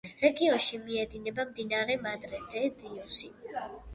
რეგიონში მიედინება მდინარე მადრე-დე-დიოსი.